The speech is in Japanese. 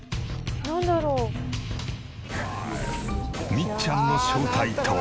みっちゃんの正体とは？